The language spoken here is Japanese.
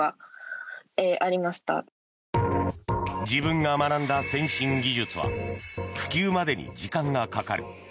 自分が学んだ先進技術は普及までに時間がかかる。